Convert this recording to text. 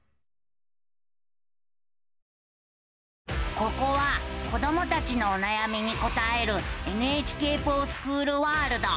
ここは子どもたちのおなやみに答える「ＮＨＫｆｏｒＳｃｈｏｏｌワールド」。